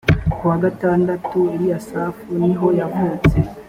ku wa gatandatu eliyasafu niho yavutse.